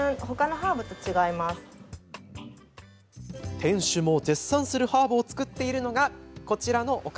店主も絶賛するハーブを作っているのが、こちらのお方。